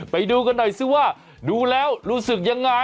ไปดูกันหน่อยสิว่าดูแล้วรู้สึกยังไง